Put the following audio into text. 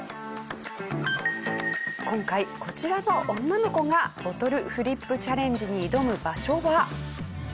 今回こちらの女の子がボトルフリップチャレンジに挑む場所が。